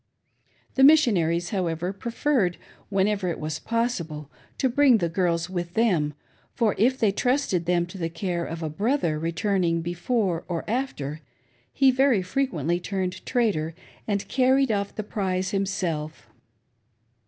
The Missionaries, however, preferred, when ever it was possible, to bring the girls with them, for if they trusted them to the care of a brother returning before or after, he very frequently turned traitor, and carrited off the prize himself.